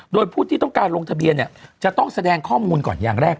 โดยผู้ที่ต้องการลงทะเบียนเนี่ยจะต้องแสดงข้อมูลก่อนอย่างแรก